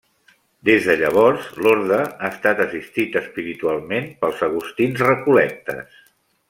Des de llavors, l'orde ha estat assistit espiritualment pels agustins recol·lectes.